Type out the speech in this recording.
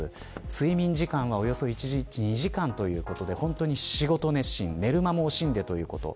睡眠時間はおよそ１日２時間ということで本当に仕事熱心寝る間も惜しんで、ということ。